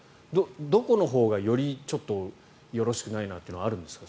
どこのほうがよりよろしくないなというのはあるんですか。